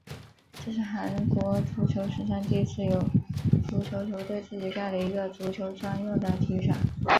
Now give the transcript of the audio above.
这是韩国足球史上第一次有足球球队自己盖了一个足球专用的体育场。